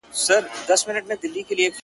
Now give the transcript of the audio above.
نن چي د عقل په ويښتو کي څوک وهي لاسونه